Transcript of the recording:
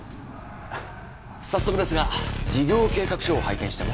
早速ですが事業計画書を拝見しても？